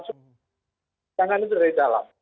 guncangan itu dari dalam